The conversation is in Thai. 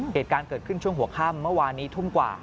เหตุการณ์เกิดขึ้นช่วงหัวค่ำเมื่อวานนี้ทุ่มกว่า